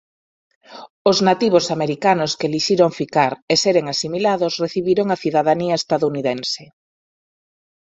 Os nativos americanos que elixiron ficar e seren asimilados recibiron a cidadanía estadounidense.